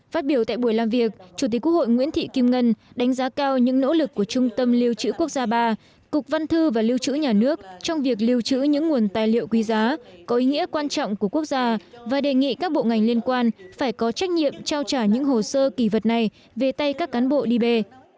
phát biểu tại buổi làm việc chủ tịch quốc hội nguyễn thị kim ngân đánh giá cao những nỗ lực của trung tâm lưu trữ quốc gia ba cục văn thư và lưu trữ nhà nước trong việc lưu trữ những nguồn tài liệu quý giá có ý nghĩa quan trọng của quốc gia và đề nghị các bộ ngành liên quan phải có trách nhiệm trao trả những hồ sơ kỳ vật này về tay các cán bộ đi về